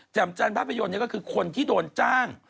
จันทร์ภาพยนตร์นี่ก็คือคนที่โดนจ้าง